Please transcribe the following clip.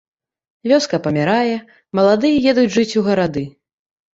Вёска памірае, маладыя едуць жыць у гарады.